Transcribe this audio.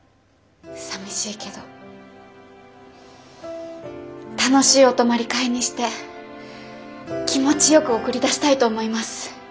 さみしいけど楽しいお泊まり会にして気持ちよく送り出したいと思います。